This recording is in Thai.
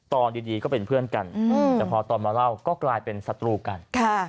ตอนดีก็เป็นเพื่อนกันแต่พอตอนมาเล่าก็กลายเป็นศัตรูกัน